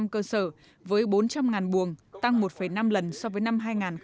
cơ sở với bốn trăm linh buồng tăng một năm lần so với năm hai nghìn một mươi